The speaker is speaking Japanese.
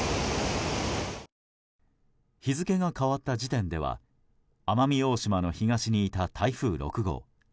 日付が変わった時点では奄美大島の東にいた台風６号。